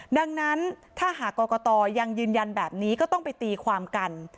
ดังนั้นถ้าหากกรกตยังยืนยันแบบนี้ก็ต้องไปตีความกัน